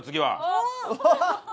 おっ！